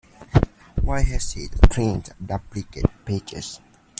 Why has it printed duplicate pages?